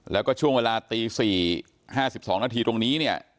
แล้วก็ช่วงเวลาตี๔๕๒นาทีตรงนี้เนี่ย